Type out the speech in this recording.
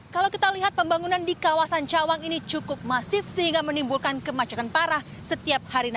kalau kita lihat pembangunan di kawasan cawang ini cukup masif sehingga menimbulkan kemacetan parah setiap hari